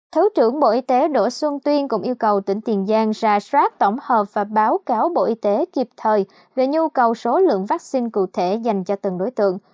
thứ trưởng bộ y tế đỗ xuân tuyên cũng yêu cầu tỉnh tiền giang ra soát tổng hợp và báo cáo bộ y tế kịp thời về nhu cầu số lượng vaccine cụ thể dành cho từng đối tượng